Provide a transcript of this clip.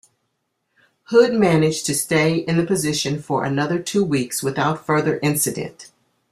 Hood managed to stay in the position for another two weeks without further incident.